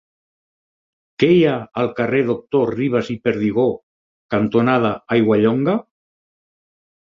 Què hi ha al carrer Doctor Ribas i Perdigó cantonada Aiguallonga?